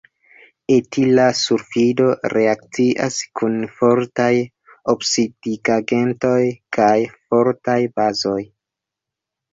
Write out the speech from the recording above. Etila sulfido reakcias kun fortaj oksidigagentoj kaj fortaj bazoj.